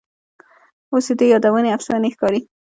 اوس دي یادونه افسانې ښکاري